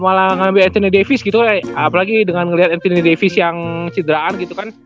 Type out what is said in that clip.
malah ngambil anthony davis gitu kan apalagi dengan ngeliat anthony davis yang sidraan gitu kan